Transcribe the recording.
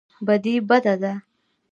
بدي بده ده.